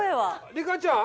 リカちゃん？